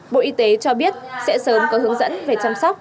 bộ y tế cho biết sẽ sớm có hướng dẫn về chăm sóc